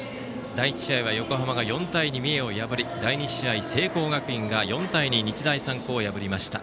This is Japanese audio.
第１試合は横浜が４対２で三重を破り第２試合は聖光学院が４対２で日大三高を破りました。